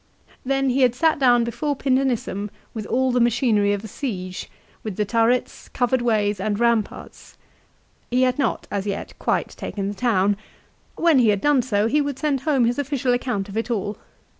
Then he had sat down before Pindenissum with all the machinery of a siege, with the turrets, covered ways, and ramparts. He had not as yet quite taken the town. When he had done so, he would send home his official account of it all.